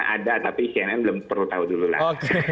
ada tapi cnn belum perlu tahu dululah